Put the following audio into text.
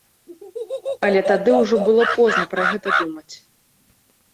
Але тады ўжо было позна пра гэта думаць.